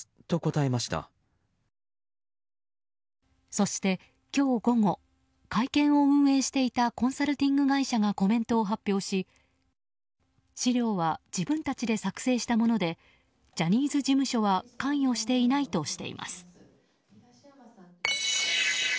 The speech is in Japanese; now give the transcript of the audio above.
そして、今日午後会見を運営していたコンサルティング会社がコメントを発表し資料は自分たちで作成したものでジャニーズ事務所は関与していないとしています。